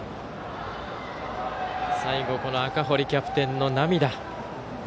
最後、赤堀キャプテンの涙。